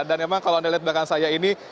dan memang kalau anda lihat belakang saya ini